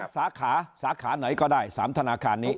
สาขาสาขาไหนก็ได้๓ธนาคารนี้